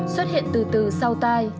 xuất hiện từ từ sau tai